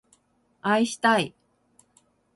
愛したい